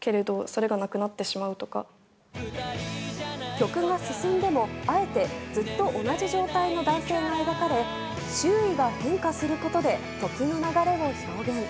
曲が進んでも、あえてずっと同じ状態の男性が描かれ周囲が変化することで時の流れを表現。